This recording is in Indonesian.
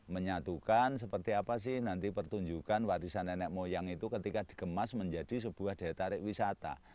menyatukan seperti apa sih nanti pertunjukan warisan nenek moyang itu ketika dikemas menjadi sebuah daya tarik wisata